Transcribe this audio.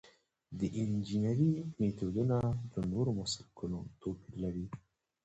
د انجنیری میتودونه له نورو مسلکونو توپیر لري.